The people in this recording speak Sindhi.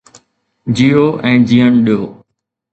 جيئو ۽ جيئڻ ڏيو